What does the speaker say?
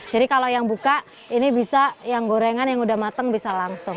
jadi kalau yang buka ini bisa yang gorengan yang udah mateng bisa langsung